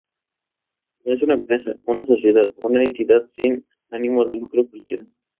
No es una empresa, una sociedad, una entidad sin ánimo de lucro cualquiera.